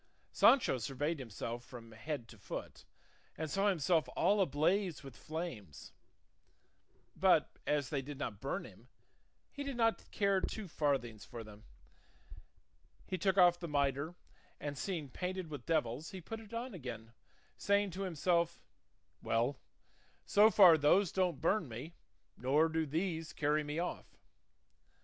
Sancho surveyed himself from head to foot and saw himself all ablaze with flames; but as they did not burn him, he did not care two farthings for them. He took off the mitre, and seeing painted with devils he put it on again, saying to himself, "Well, so far those don't burn me nor do these carry me off."